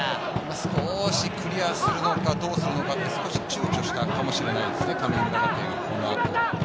少しクリアするのかどうするのか、ちゅうちょしたかもしれないですね、神村学園は。